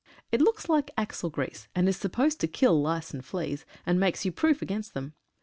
It looks like axle grease, and is supposed to kill lice and fleas, and make you proof against them.